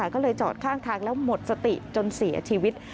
ก็เลยจอดข้างทางแล้วหมดสติจนเสียชีวิต